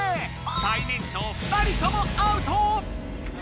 最年長２人ともＯＵＴ！